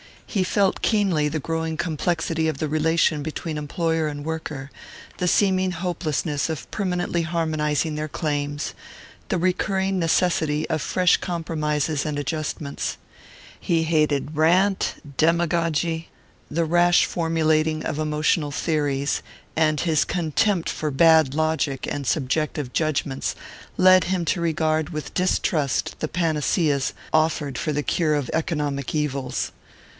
He felt keenly the growing complexity of the relation between employer and worker, the seeming hopelessness of permanently harmonizing their claims, the recurring necessity of fresh compromises and adjustments. He hated rant, demagogy, the rash formulating of emotional theories; and his contempt for bad logic and subjective judgments led him to regard with distrust the panaceas offered for the cure of economic evils.